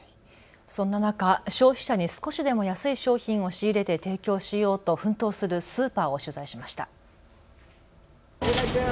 そんな中、消費者に少しでも安い商品を仕入れて提供しようと奮闘するスーパーを取材しました。